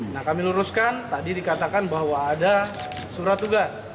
nah kami luruskan tadi dikatakan bahwa ada surat tugas